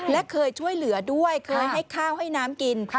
และเคยช่วยเหลือด้วยเคยให้ข้าวให้น้ำกิน